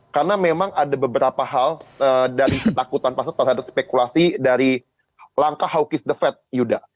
karena memang ada beberapa hal dari ketakutan pasar terhadap spekulasi dari langkah how kiss the fat yuda